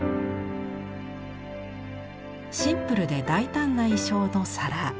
シンプルで大胆な意匠の皿。